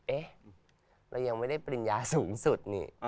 เอ๊ะเรายังไม่ได้ปริญญาสูงสุดนี่